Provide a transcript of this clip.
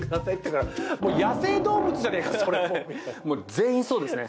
全員そうですね。